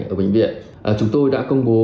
ở bệnh viện chúng tôi đã công bố